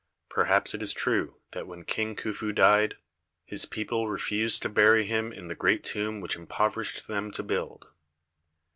Perhaps it is true that when King Khufu died, his people refused to bury him in the great tomb which impoverished them to build.